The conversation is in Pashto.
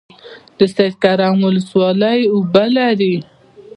د سید کرم ولسوالۍ اوبه لري